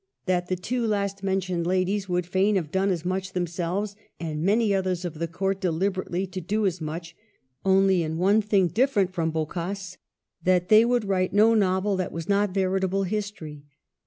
. that the two last mentioned ladies would fain have done as much themselves, and many others of the Court deliberated to do as much, — only in one thing diiferent from Boccace, that they would write no novel that was not veritable history.